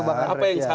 apa yang salah